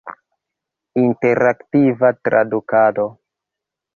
Interaktiva tradukado.